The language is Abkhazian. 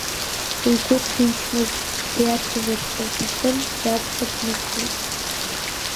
Лгәы ҭынчмызт, диацәажәарц лҭахын, иаԥхьа днықәтәеит.